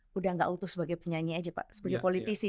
sudah tidak utuh sebagai penyanyi saja pak sebagai politisi